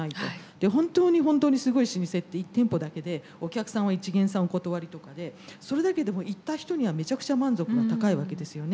で本当に本当にすごい老舗って１店舗だけでお客さんは一見さんお断りとかでそれだけでも行った人にはめちゃくちゃ満足が高いわけですよね。